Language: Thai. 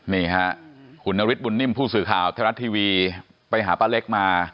นี่ค่ะคุณนฤทธบุญนิ่มผู้สื่อข่าวไทยรัฐทีวีไปหาป้าเล็กมา